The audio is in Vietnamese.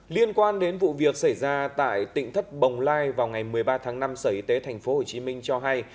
liên quan đến vụ việc xảy ra tại tỉnh thất bồng lai vào ngày một mươi ba tháng năm sở y tế tp hcm cho hay